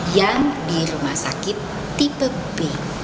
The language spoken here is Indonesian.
yang di rumah sakit tipe b